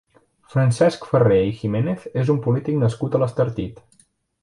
Francesc Ferrer i Giménez és un polític nascut a l'Estartit.